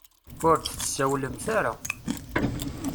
Ur d-tsawlemt ara.